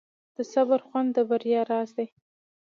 د صبر خوند د بریا راز دی.